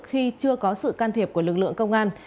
khi chưa có sự can thiệp của lực lượng công an